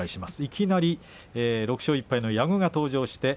いきなり６勝１敗の矢後が登場です。